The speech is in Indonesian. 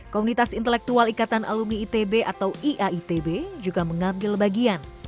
komunitas intelektual ikatan alumni itb atau iaitb juga mengambil bagian